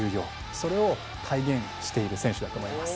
それを体現している選手だと思います。